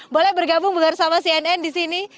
boleh bergabung bersama cnn di sini